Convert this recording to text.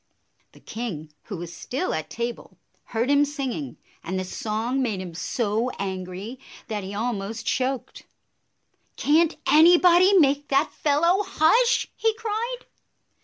The king, who was still at table, heard him singing, and the song made him so angry that he almost choked. "Can't anybody make that fellow hush?" he cried.